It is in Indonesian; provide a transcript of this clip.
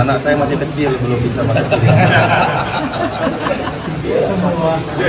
anak anak saya masih kecil belum bisa masuk ke bintang